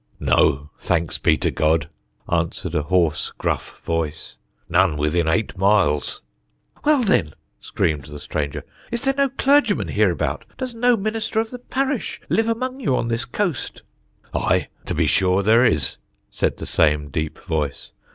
"No; thanks be to God," answered a hoarse, gruff voice. "None within eight miles." "Well, then," screamed the stranger, "is there no clergyman hereabout? Does no minister of the parish live among you on this coast?" "Aye! to be sure there is," said the same deep voice.